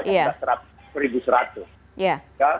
karena aktualnya sudah seribu seratus